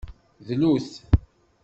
Dlut.